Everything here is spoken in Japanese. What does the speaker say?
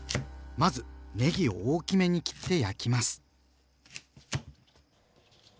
まずねぎを大きめに切って焼きます。